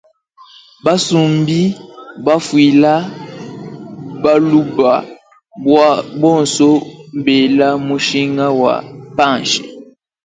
Basumbi mbafwila bwalubwa bonso mbela mushinga wa panshi.